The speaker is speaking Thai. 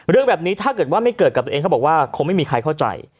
เรื่องแบบนี้ถ้าเกิดว่าไม่เกิดกับตัวเองเขาบอกว่าคงไม่มีใครเข้าใจ